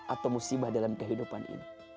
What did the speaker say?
atau musibah dalam kehidupan ini